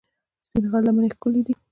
سپین غر لمنې ښکلې دي؟